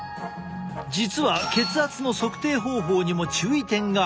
実は血圧の測定方法にも注意点がある。